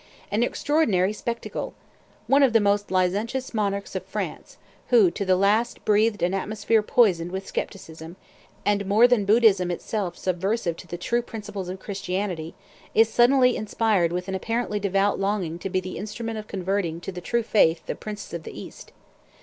An extraordinary spectacle! One of the most licentious monarchs of France, who to the last breathed an atmosphere poisoned with scepticism, and more than Buddhism itself subversive of the true principles of Christianity, is suddenly inspired with an apparently devout longing to be the instrument of converting to the true faith the princes of the East.